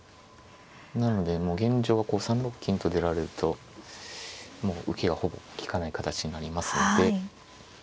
なのでもう現状はこう３六金と出られるともう受けはほぼ利かない形になりますので。